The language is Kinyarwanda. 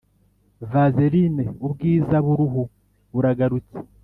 Vazerine ubwiza buruhu buragarutse